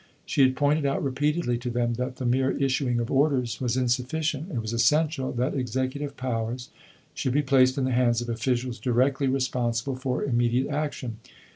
She had pointed out repeatedly to them that the mere issuing of orders was insufficient; it was essential that executive powers should be placed in the hands of officials directly responsible for immediate action.